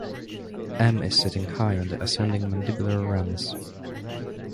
M is sitting high on the ascending mandibular ramus.